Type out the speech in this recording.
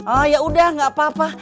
oh ya udah gak apa apa